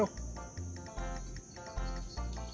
อิขุนัพ